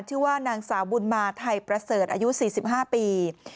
ชื่อว่านางสาวบุญมาไทยประเสริฐอายุ๔๕ปี